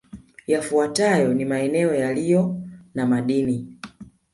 Yafuatayo ni maeneo yaliyo na madini